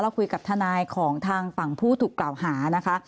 คุยกับทนายของทางฝั่งผู้ถูกกล่าวหานะคะ